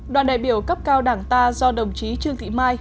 đoàn đại biểu cấp cao đảng ta do đồng chí trương thị mai